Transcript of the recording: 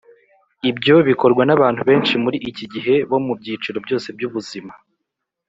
ibyo bikorwa n’abantu benshi muri iki gihe bo mu byiciro byose by’ubuzima,